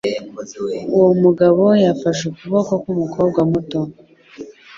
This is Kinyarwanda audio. Uwo mugabo yafashe ukuboko k'umukobwa muto.